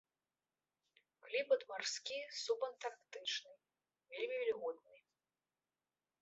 Клімат марскі субантарктычны, вельмі вільготны.